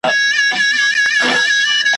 نو پر تا به د قصاب ولي بری وای `